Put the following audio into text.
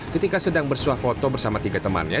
ketika sedang bersuah foto bersama tiga temannya